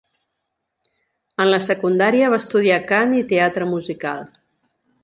En la secundària va estudiar cant i teatre musical.